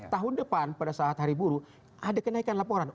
tahun depan pada saat hari buruh ada kenaikan laporan